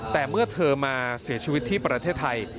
แต่เมื่อเธอมาเสียชีวิตที่ประเทศไทย